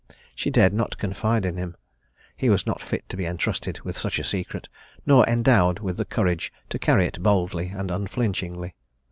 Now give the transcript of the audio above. She dared not confide in him he was not fit to be entrusted with such a secret, nor endowed with the courage to carry it boldly and unflinchingly.